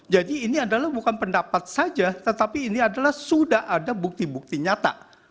jadi ini adalah bukan pendapat saja tetapi ini adalah sudah ada bukti bukti nyata